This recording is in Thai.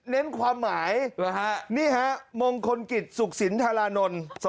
เน้นความหมายนี่ฮะมงคลกิจสุขสินธารานนท์